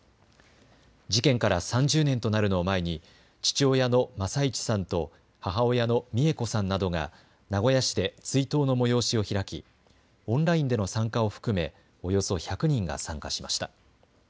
事件から３０年となるのを前に父親の政一さんと母親の美恵子さんなどが名古屋市で追悼の催しを開きオンラインでの参加を含めおよそ１００人が参加しました。